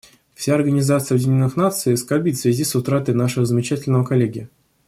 Вся Организация Объединенных Наций скорбит в связи с утратой нашего замечательного коллеги.